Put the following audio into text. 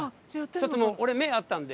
ちょっともう俺目合ったんで。